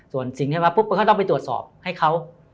ส่วนสิ่งที่มาปุ๊บก็ต้องไปตรวจสอบให้เขา